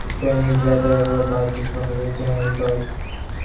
His frame is rather angular but his conformation is generally correct.